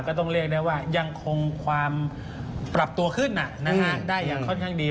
ก็ต้องเรียกได้ว่ายังคงความปรับตัวขึ้นได้อย่างค่อนข้างดี